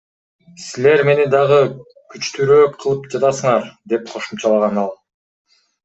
Силер мени дагы күчтүүрөөк кылып жатасыңар, — деп кошумчалаган ал.